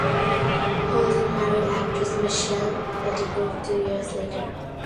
Holden married actress Michelle Pettigrove two years later.